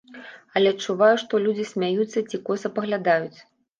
Але адчуваю, што людзі смяюцца ці коса паглядаюць.